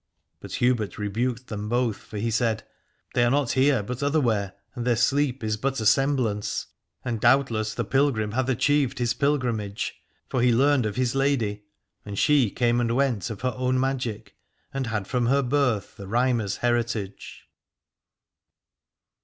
But Hubert rebuked them both, for he said : They are not here but other where, and their sleep is but a semblance. 362 Aladore And doubtless the pilgrim hath achieved his pilgrimage, for he learned of his lady: and she came and went of her own magic, and had from her birth the Rhymer's heritage.